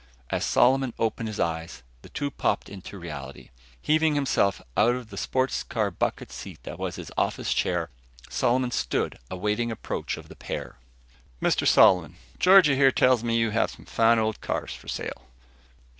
As Solomon opened his eyes, the two popped into reality. Heaving himself out of the sports car bucket seat that was his office chair, Solomon stood awaiting approach of the pair. "Mr Solomon, Georgie here tells me you have some fine old cars for sale?"